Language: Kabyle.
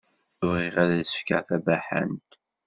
Bɣiɣ ad s-fkeɣ tabaḥant.